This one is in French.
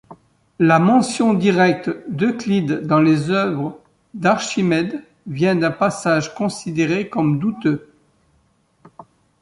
La mention directe d’Euclide dans les œuvres d’Archimède vient d’un passage considéré comme douteux.